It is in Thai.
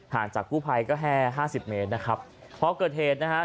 จากกู้ภัยก็แค่ห้าสิบเมตรนะครับพอเกิดเหตุนะฮะ